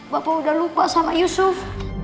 bapak udah lupa sama yusuf